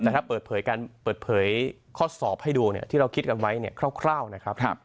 แต่ถ้าเปิดเผยการเปิดเผยข้อสอบให้ดูเนี่ยที่เราคิดกันไว้เนี่ยคร่าวนะครับ